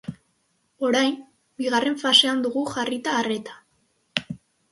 Orain, bigarren fasean dugu jarrita arreta.